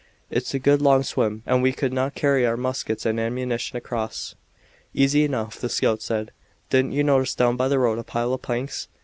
"It's a good long swim, and we could not carry our muskets and ammunition across." "Easy enough," the scout said. "Didn't you notice down by the road a pile of planks?